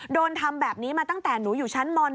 โดนทำแบบนี้มาตั้งแต่หนูอยู่ชั้นม๑